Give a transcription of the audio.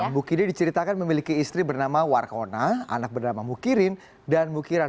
mukidi diceritakan memiliki istri bernama warkona anak bernama mukirin dan mukiran